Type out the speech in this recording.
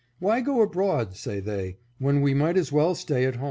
Why go abroad, say they, when we might as well stay at home